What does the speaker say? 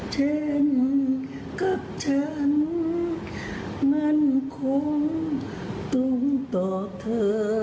เช่นเหมือนกับฉันนั้นคงตรงต่อเธอ